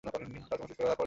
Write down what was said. কাজকর্ম শেষ করে তারপর যাও।